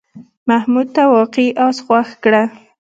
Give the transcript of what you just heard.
محمود ته واقعي آس خوښ کړه.